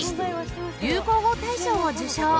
流行語大賞を受賞